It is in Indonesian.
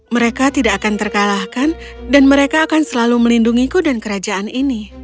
mereka tidak akan terkalahkan dan mereka akan selalu melindungiku dan kerajaan ini